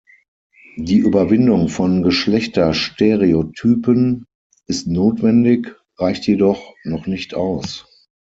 Die Überwindung von Geschlechterstereotypen ist notwendig, reicht jedoch noch nicht aus.